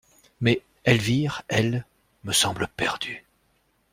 Mais, Elvire, elle, me semble perdue.